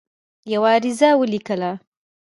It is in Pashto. یوه عریضه ولیکله.